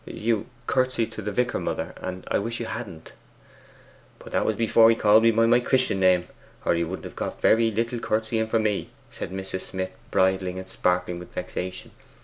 'You curtseyed to the vicar, mother; and I wish you hadn't.' 'But it was before he called me by my Christian name, or he would have got very little curtseying from me!' said Mrs. Smith, bridling and sparkling with vexation.